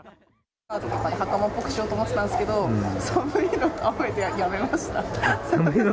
はかまっぽくしようと思ってたんですけれども、寒いのと雨でやめました。